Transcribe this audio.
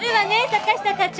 坂下課長。